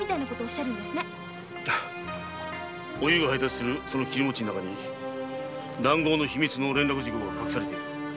おゆうが配達するその切餅の中に談合の秘密の連絡事項が隠されているのだ。